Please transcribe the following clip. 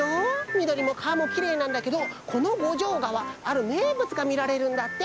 みどりも川もきれいなんだけどこの五条川あるめいぶつがみられるんだって。